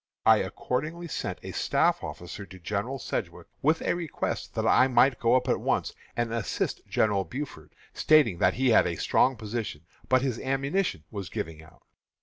I accordingly sent a staff officer to General Sedgwick with a request that I might go up at once and assist General Buford, stating that he had a strong position, but his ammunition was giving out.